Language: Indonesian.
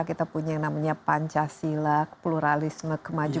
kita punya yang namanya pancasila pluralisme kemajuan